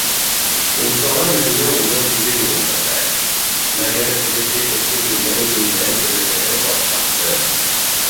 Мунсала Мәҙинә уны үҙе йыуындырҙы, мәгәр элекке эске кейемдәрен кейеүҙән өләсәһе баш тартты: